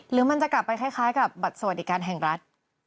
หรือมันจะกลับไปคล้ายกับบัตรสวัสดิการแห่งรัฐ